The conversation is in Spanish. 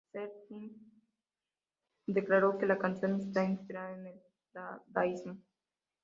Serj Tankian declaró que la canción está inspirada en el dadaísmo.